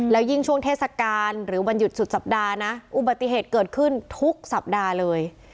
แล้วยิ่งช่วงเทศกาลหรือวันหยุดสุดสัปดาห์นะอุบัติเหตุเกิดขึ้นทุกสัปดาห์เลย